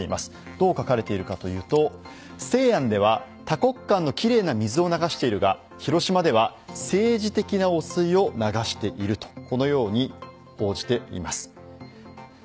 どう書かれているかというと西安では多国間のきれいな水を流しているが広島では政治的な汚水を流しているとこのように報じています。